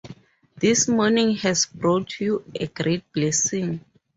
This morning has brought you a great blessing.